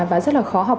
và rất là khó học